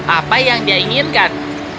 apa yang dia inginkan